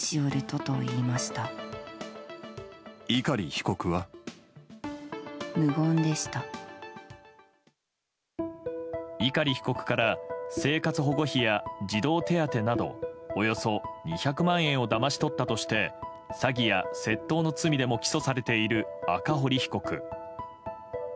碇被告から生活保護費や児童手当などおよそ２００万円をだまし取ったとして詐欺や窃盗の罪でも起訴されている赤堀被告。